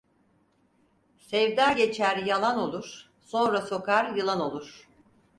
Sevda geçer yalan olur, sonra sokar yılan olur.